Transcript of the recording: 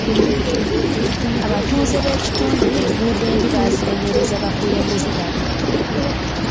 Abatuuze b'ekitundu enguudo embi baazinenyerezza bukulembeze babi.